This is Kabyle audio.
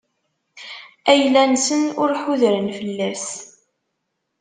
Ayla-nsen ur ḥudren fell-as.